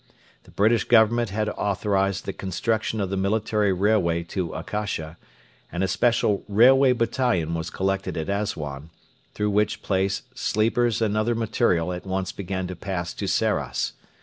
The British Government had authorised the construction of the military railway to Akasha, and a special railway battalion was collected at Assuan, through which place sleepers and other material at once began to pass to Sarras.